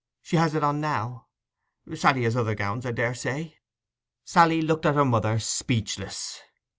She has it on now. Sally has other gowns, I daresay.' Sally looked at her mother, speechless.